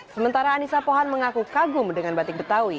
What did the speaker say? sementara anissa pohan mengaku kagum dengan batik betawi